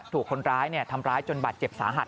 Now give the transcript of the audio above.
ถูกคนร้ายทำร้ายจนบาดเจ็บสาหัส